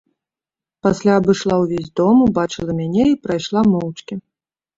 Пасля абышла ўвесь дом, убачыла мяне і прайшла моўчкі.